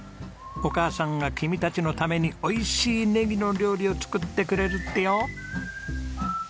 お母さんが君たちのためにおいしいネギの料理を作ってくれるってよ。